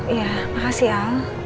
iya makasih al